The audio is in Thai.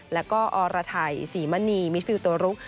แล้วก็ออระไทสีมะนีมิดฟิลต์ตัวลุก